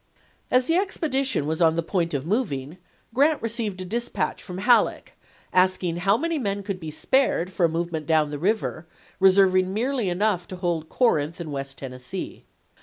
As the expedition was on the point of moving Grant received a dispatch from Halleck, asking how many men could be spared for a move ment down the river, reserving merely enough to hold Corinth and West Tennessee.